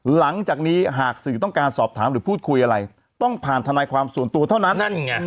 หลังจากนี้หากสื่อต้องการสอบถามหรือพูดคุยอะไรต้องผ่านทนายความส่วนตัวเท่านั้นนั่นไง